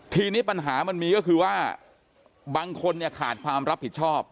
ทีนี้ปัญหามันมีก็คือว่าบางคนเนี่ยขาดความรับผิดชอบ